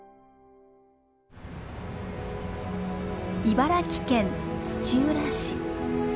茨城県土浦市。